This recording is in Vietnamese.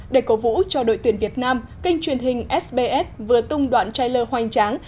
để cầu vũ cho đội tuyển việt nam kênh truyền hình sbs vừa tung đoạn trailer hoành tráng